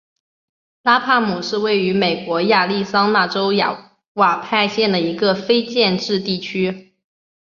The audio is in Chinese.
拉帕姆是位于美国亚利桑那州亚瓦派县的一个非建制地区。